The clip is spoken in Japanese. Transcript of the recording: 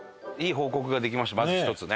まず一つね。